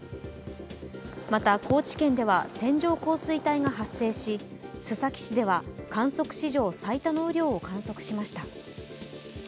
また、高知県では線状降水帯が発生し須崎市では観測史上最多の雨量を観測しました